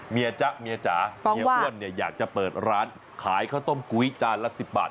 จ๊ะเมียจ๋าเมียอ้วนเนี่ยอยากจะเปิดร้านขายข้าวต้มกุ้ยจานละ๑๐บาท